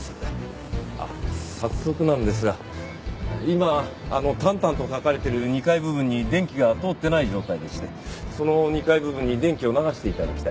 早速なんですが今あの「タンタン」と書かれてる２階部分に電気が通ってない状態でしてその２階部分に電気を流して頂きたいんです。